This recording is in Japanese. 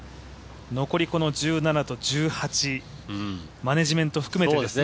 残り１７と１８、マネジメント含めてですね。